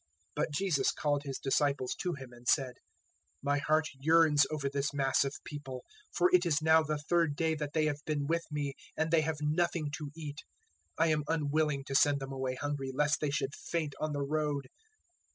015:032 But Jesus called His disciples to Him and said, "My heart yearns over this mass of people, for it is now the third day that they have been with me and they have nothing to eat. I am unwilling to send them away hungry, lest they should faint on the road."